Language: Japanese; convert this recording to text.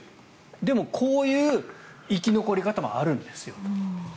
でも、こういう生き残り方もあるんですよと。